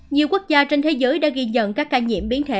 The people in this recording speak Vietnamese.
nhiều quốc gia trên thế giới đã ghi nhận các ca nhiễm biến thể